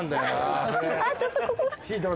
ちょっとここが。